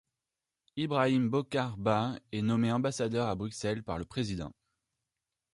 Ibrahim Bocar Bah est nommé ambassadeur à Bruxelles par le président.